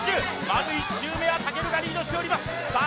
まず１周目はたけるがリードしております。